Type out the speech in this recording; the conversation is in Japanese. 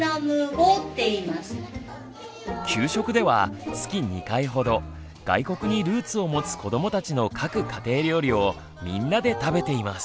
給食では月２回ほど外国にルーツを持つ子どもたちの各家庭料理をみんなで食べています。